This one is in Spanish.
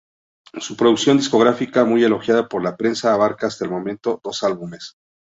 Su producción discográfica, muy elogiada por la prensa, abarca hasta el momento dos álbumes.